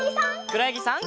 くろやぎさん。